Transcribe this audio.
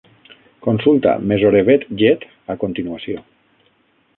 Consulta "Mesorevet get" a continuació.